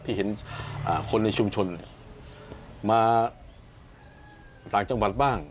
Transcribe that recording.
ที่เห็นคนในชุมชนมาต่างจังหวัดบ้าง